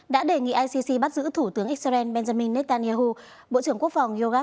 đã đề nghị icc bắt giữ thủ tướng israel benjamin netanyahu bộ trưởng quốc phòng yorak galang